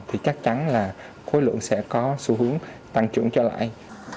thì chắc chắn là khối lượng sẽ có xu hướng tăng trưởng trở lại